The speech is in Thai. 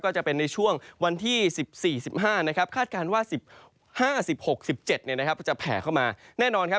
ก็จะเป็นในช่วงวันที่๑๔๑๕คาดค้างว่า๑๕๑๗ก็จะแผ่เข้ามา